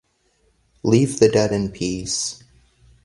Leave the dead in peace!